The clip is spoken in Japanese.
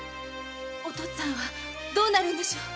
お父っつぁんはどうなるのでしょう？